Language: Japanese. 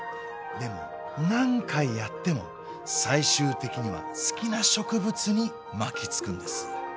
でも何回やっても最終的には好きな植物に巻きつくんです。